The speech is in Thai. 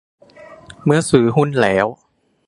เมื่อซื้อหุ้นแล้ว